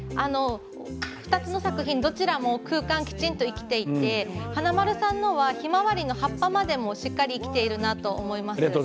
２つの作品どちらも空間きちんと生きていて華丸さんのはヒマワリの葉っぱまでもしっかり生きているなと思います。